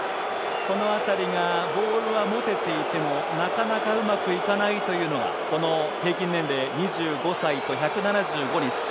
この辺りがボールは持てていてもなかなかうまくいかないというのがこの平均年齢２５歳と１７５日。